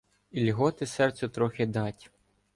І льготи серцю трохи дать.